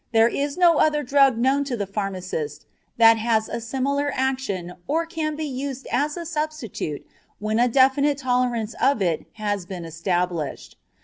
There is no other drug known to the pharmacist that has a similar action or can be used as a substitute when a definite tolerance of it has been established.